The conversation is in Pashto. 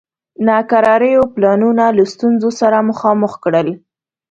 ناکراریو پلانونه له ستونزو سره مخامخ کړل.